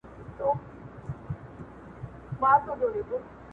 خیالات نه یوازي خوند لري